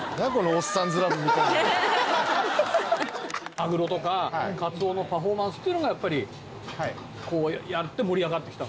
マグロとかカツオのパフォーマンスっていうのがやっぱりやって盛り上がってきた？